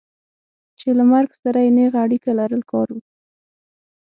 چې له مرګ سره یې نېغه اړیکه لرل کار و.